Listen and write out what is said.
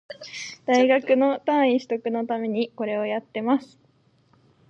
大学の単位取得のためにこれをやってます